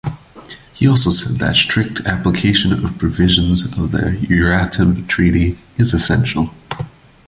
He also said that, strict application of provisions of the Euratom Treaty is essential.